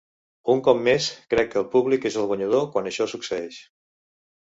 Un cop més, crec que el públic és el guanyador quan això succeeix.